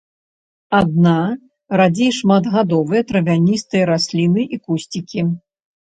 Адна-, радзей шматгадовыя травяністыя расліны і кусцікі.